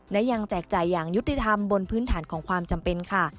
และยังแจกจ่ายอย่างยุติธรรมบนพื้นฐานของความจำเป็นค่ะ